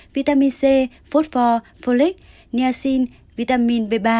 vitamin c phốt pho folic niacin vitamin b ba